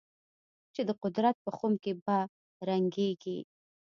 چې د قدرت په خُم کې به رنګېږي.